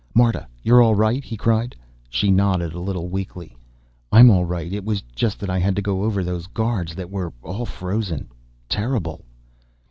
"Marta, you're all right?" he cried. She nodded a little weakly. "I'm all right. It was just that I had to go over those guards that were all frozen.... Terrible!"